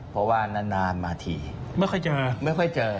เพราะว่านานมาทีไม่ค่อยเจอ